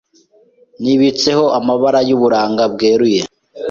N'ibitatseho amabara Y'uburanga bweruye